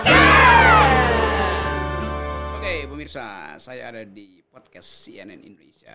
oke pemirsa saya ada di podcast cnn indonesia